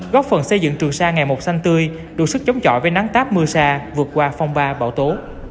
góp phần xây dựng trường sa ngày một xanh tươi đủ sức chống chọi với nắng táp mưa xa vượt qua phong ba bảo tố